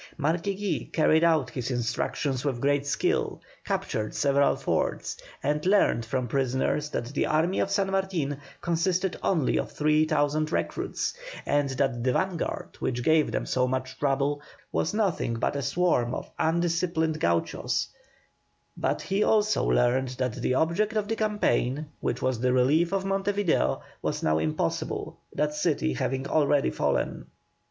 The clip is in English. Marquiegui carried out his instructions with great skill, captured several forts, and learned from prisoners that the army of San Martin consisted only of three thousand recruits, and that the vanguard which gave them so much trouble, was nothing but a swarm of undisciplined Gauchos; but he also learned that the object of the campaign, which was the relief of Monte Video, was now impossible, that city having already fallen.